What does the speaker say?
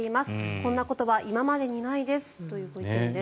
こんなことは今までにないですというご意見です。